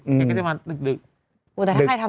โอ้แต่ถ้าใครทำงานเช้าก็คือ